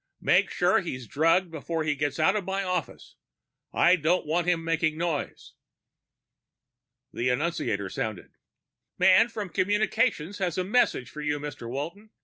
Make sure he's drugged before he gets out of my office. I don't want him making noise." The annunciator sounded. "Man from communications has a message for you, Mr. Walton."